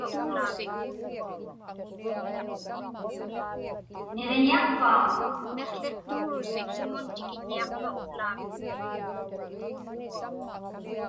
Niġiñiaqpauŋ?